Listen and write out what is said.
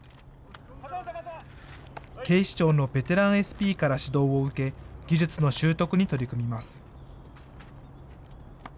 警視庁のベテランＳＰから指導を受け、技術の習得に取り組みます。